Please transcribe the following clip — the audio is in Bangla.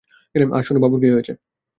আর শুনো, বাবুর কী হয়েছে?